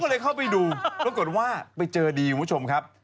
ก็เลยเข้าไปดูปรากฏว่าไปเจอดีคุณผู้ชมครับ